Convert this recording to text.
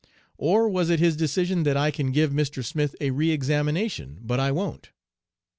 Or was it his decision that 'I can give Mr. Smith a re examination, but I won't?'